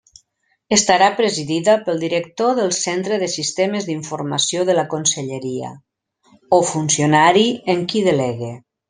Estarà presidida pel director del Centre de Sistemes d'Informació de la conselleria, o funcionari en qui delegue.